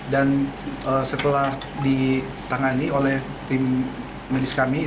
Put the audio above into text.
dan setelah ditangani oleh tim medis kami